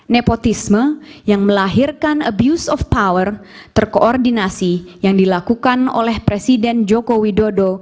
nepotisme yang melahirkan abuse of power terkoordinasi yang dilakukan oleh presiden joko widodo